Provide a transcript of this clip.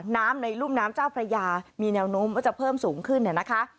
ในรุ่มน้ำเจ้าพระยามีแนวโน้มว่าจะเพิ่มสูงขึ้นเนี่ยนะคะ